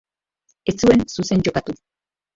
Ez zuen zuzen jokatu.